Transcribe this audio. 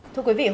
thưa quý vị